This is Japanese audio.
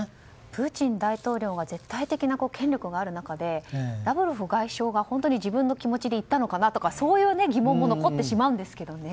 プーチン大統領が絶対的な権力がある中でラブロフ外相が本当に自分の気持ちで言ったのかなとかそういう疑問も残ってしまうんですけどね。